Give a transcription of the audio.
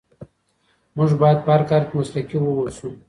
موږ باید په هر کار کې مسلکي واوسو.